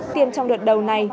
tiêm trong đợt đầu này